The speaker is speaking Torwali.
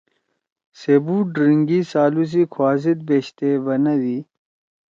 سے بُوڑ رینگی سالُو سی کُھوا زید بیشتے بنَدی: